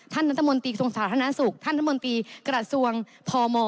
ท่านนัตรมนตรีส่งสาธารณสุขท่านนัตรมนตรีกระทรวงพอมอ